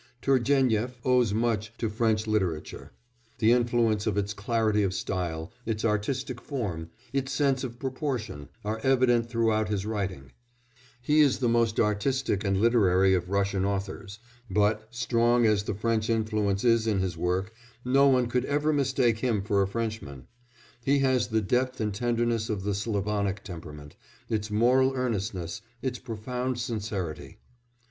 Turgénief owes much to French literature; the influence of its clarity of style, its artistic form, its sense of proportion, are evident throughout his writing; he is the most artistic and literary of Russian authors, but, strong as the French influence is in his work, no one could ever mistake him for a Frenchman; he has the depth and tenderness of the Slavonic temperament, its moral earnestness, its profound sincerity.